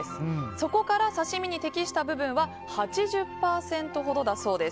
そこから刺し身に適した部分は８０％ほどだそうです。